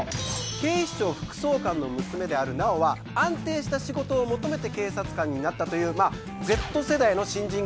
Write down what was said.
警視庁副総監の娘である直央は安定した仕事を求めて警察官になったというＺ世代の新人刑事でございます。